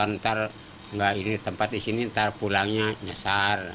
ntar ini tempat di sini ntar pulangnya nyesar